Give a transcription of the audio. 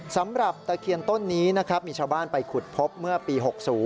ตะเคียนต้นนี้นะครับมีชาวบ้านไปขุดพบเมื่อปี๖๐